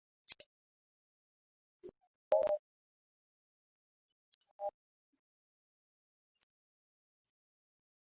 matumizi ya dawa ili kuibusha raha au kuepusha usumbufu